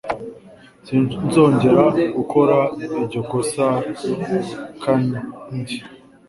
Sinzongera gukora iryo kosa kanndi.